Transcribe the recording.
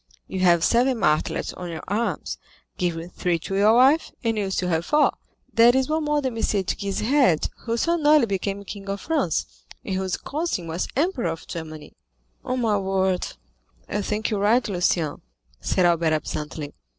You have seven martlets on your arms; give three to your wife, and you will still have four; that is one more than M. de Guise had, who so nearly became King of France, and whose cousin was Emperor of Germany." "On my word, I think you are right, Lucien," said Albert absently.